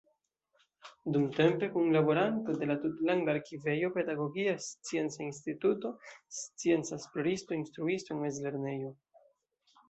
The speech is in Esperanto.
Dumtempe kunlaboranto de la Tutlanda Arkivejo, Pedagogia Scienca Instituto, scienca esploristo, instruisto en mezlernejo.